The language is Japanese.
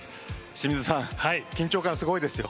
清水さん、緊張感すごいですよ。